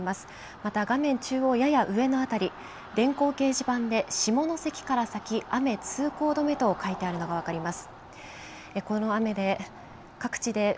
また画面中央、やや上の辺り、電光掲示板で下関から先、通行止めと書いてあるのが分かります。